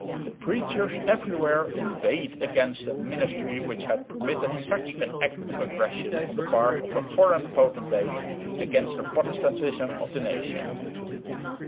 The preachers everywhere inveighed against a ministry which had permitted such an act of aggression on the part of a foreign potentate against the Protestantism of the nation.